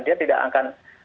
dia tidak akan